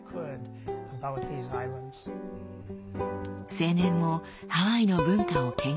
青年もハワイの文化を研究。